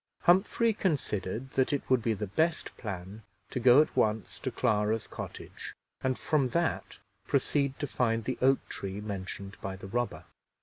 Humphrey considered that it would be the best plan to go at once to Clara's cottage, and from that proceed to find the oak tree mentioned by the robber.